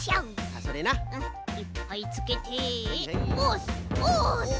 いっぱいつけてオス！